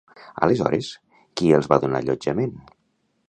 Aleshores, qui els va donar allotjament?